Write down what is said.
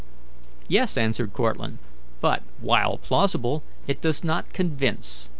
"Yes," answered Cortlandt, "but, while plausible, it does not convince.